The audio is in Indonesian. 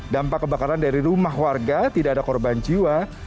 dampak kebakaran dari rumah warga tidak ada korban jiwa